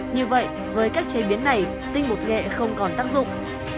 như vậy với cách chế biến này tinh bột nghệ không còn tác dụng